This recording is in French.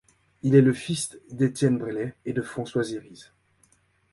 Il est le fils d'Étienne Breslay et de Françoise Hériz.